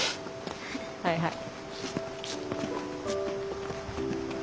はいはい。